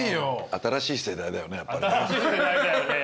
新しい世代だよねやっぱり。